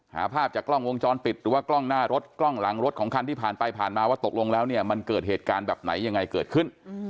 ภาพจากกล้องวงจรปิดหรือว่ากล้องหน้ารถกล้องหลังรถของคันที่ผ่านไปผ่านมาว่าตกลงแล้วเนี่ยมันเกิดเหตุการณ์แบบไหนยังไงเกิดขึ้น